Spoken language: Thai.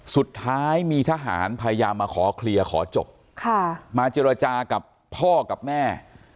สุดท้ายมีทหารพยายามมาขอเคลียร์ขอจบมาเจรจากับพ่อกับแม่